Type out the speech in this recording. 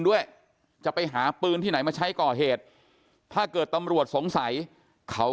ด้วยจะไปหาปืนที่ไหนมาใช้ก่อเหตุถ้าเกิดตำรวจสงสัยเขา